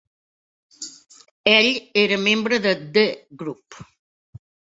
Ell era membre de The Group.